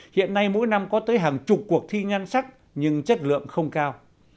hiện nay mỗi năm có tới hàng chục cuộc thi nhan sắc nhưng chất lượng không cao